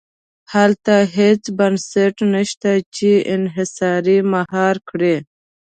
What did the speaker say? هلته هېڅ بنسټ نه شته چې انحصار مهار کړي.